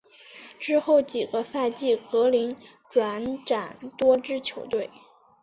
之后几个赛季格林转辗多支球队。